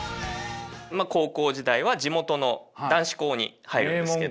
高校時代は地元の男子校に入るんですけど。